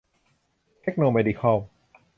เทคโนเมดิคัล